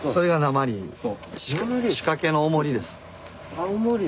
あおもり。